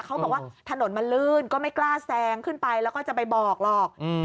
เขาบอกว่าถนนมันลื่นก็ไม่กล้าแซงขึ้นไปแล้วก็จะไปบอกหรอก